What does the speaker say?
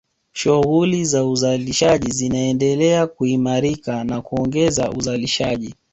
Shughuli za uzalishaji zinaendelea kuimarika na kuongeza uzalishaji